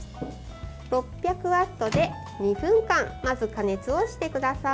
６００ワットで２分間まず加熱をしてください。